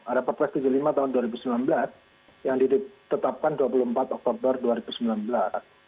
ada perpres tujuh puluh lima tahun dua ribu sembilan belas yang ditetapkan dua puluh empat oktober dua ribu sembilan belas